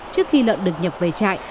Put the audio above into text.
trước khi lợn được nhập về trại